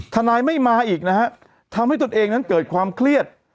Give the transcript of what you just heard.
ทนายไม่มาอีกนะฮะทำให้ตนเองนั้นเกิดความเครียด